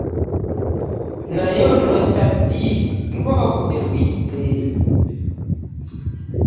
Naye onojja ddi ng'obudde buyise!